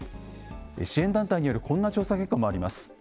支援団体によるこんな調査結果もあります。